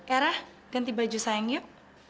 era ganti baju sayang yuk